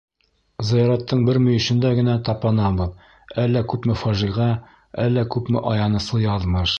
Зыяраттың бер мөйөшөндә генә тапанабыҙ — әллә күпме фажиғә, әллә күпме аяныслы яҙмыш.